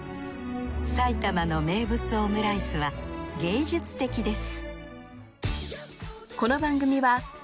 さいたまの名物オムライスは芸術的です